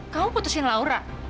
kamu putusin laura